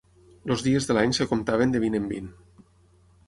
Els dies de l'any es comptaven de vint en vint.